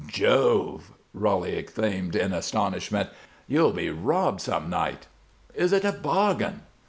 "Jove!" Roly exclaimed in astonishment. "You'll be robbed some night." "Is it a bargain?"